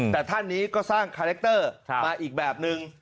แต่ท่านนี้ก็สร้างคาแรคเตอร์มาอีกแบบนึง